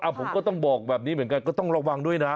ผมก็ต้องบอกแบบนี้เหมือนกันก็ต้องระวังด้วยนะ